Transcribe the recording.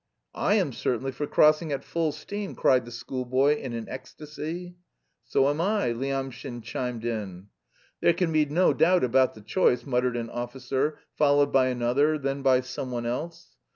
"I am certainly for crossing at full steam!" cried the schoolboy in an ecstasy. "So am I," Lyamshin chimed in. "There can be no doubt about the choice," muttered an officer, followed by another, then by someone else.